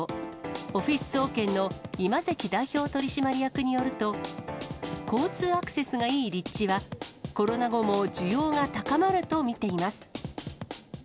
オフィス総研の今関代表取締役によると、交通アクセスがいい立地は、コロナ後も需要が高まると見ています。